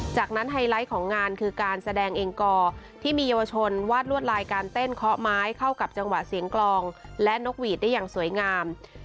จากนั้นไฮไลท์ของงานคือการแสดงเองกอที่มีเยาวชนวาดลวดลายการเต้นเคาะไม้เข้ากับจังหวะเสียงกลองและนกหวีดได้อย่างสวยงาม